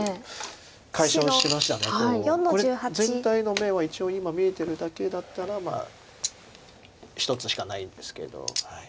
これ全体の眼は一応今見えてるだけだったら１つしかないんですけど。